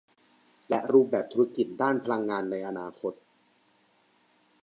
และรูปแบบธุรกิจด้านพลังงานในอนาคต